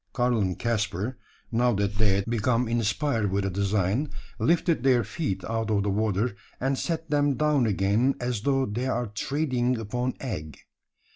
Karl and Caspar now that they had become inspired with a design lifted their feet out of the water, and set them down again, as though they ere treading upon egg.